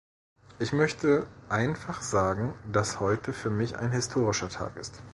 Ich möchte einfach sagen, dass heute für mich ein historischer Tag ist.